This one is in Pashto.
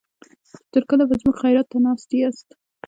چې تر کله به زموږ خيرات ته ناست ياست.